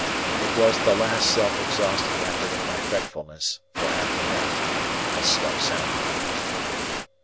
It was the last self exhausting effort of my fretfulness, for after that I slept soundly.